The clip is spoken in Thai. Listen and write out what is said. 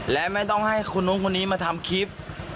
และไม่ต้องให้คนนู้นคนนี้มาทำคลิป